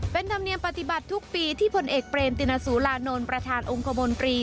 เป็นธรรมเนียมปฏิบัติทุกปีที่ผลเอกเปรมตินสุรานนท์ประธานองค์คมนตรี